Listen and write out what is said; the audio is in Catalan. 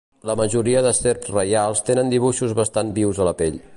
La majoria de serps reials tenen dibuixos bastant vius a la pell.